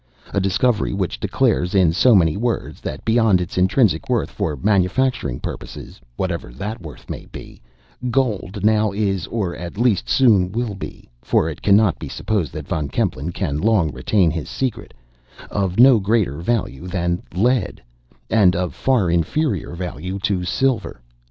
a discovery which declares, in so many words, that beyond its intrinsic worth for manufacturing purposes (whatever that worth may be), gold now is, or at least soon will be (for it cannot be supposed that Von Kempelen can long retain his secret), of no greater value than lead, and of far inferior value to silver.